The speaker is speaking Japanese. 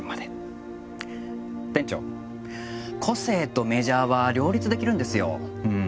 店長個性とメジャーは両立できるんですようん。